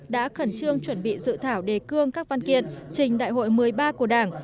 đã khẩn trương chuẩn bị dự thảo đề cương các văn kiện trình đại hội một mươi ba của đảng